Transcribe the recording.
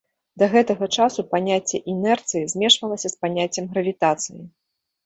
Да гэтага часу паняцце інерцыі змешвалася з паняццем гравітацыі.